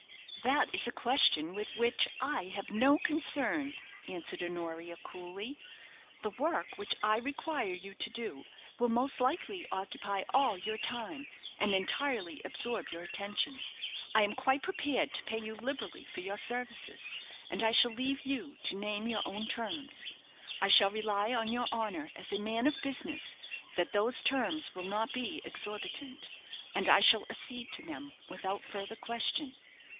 "That is a question with which I have no concern," answered Honoria, coolly. "The work which I require you to do will most likely occupy all your time, and entirely absorb your attention. I am quite prepared to pay you liberally for your services, and I shall leave you to name your own terms. I shall rely on your honour as a man of business that those terms will not be exorbitant, and I shall accede to them without further question."